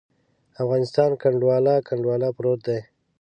افغانستان کنډواله، کنډواله پروت دی.